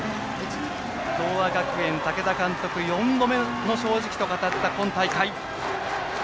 東亜学園、武田監督４度目の正直と語った今大会。